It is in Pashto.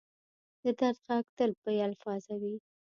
د درد ږغ تل بې الفاظه وي.